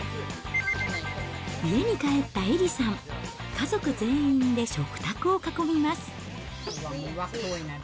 家に帰ったエリさん、家族全員で食卓を囲みます。